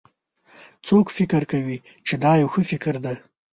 څوک فکر کوي چې دا یو ښه فکر ده